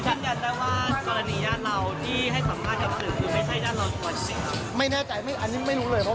จริงไม่น่าจะมีอะไรขนาดนั้น